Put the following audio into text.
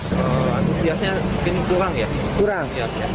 kota bogor mencapai dua puluh dua orang